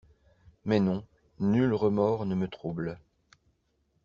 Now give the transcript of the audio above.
Mais non: nul remords ne me trouble.